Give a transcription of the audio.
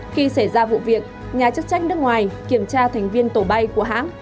khi xảy ra vụ việc nhà chức trách nước ngoài kiểm tra thành viên tổ bay của hãng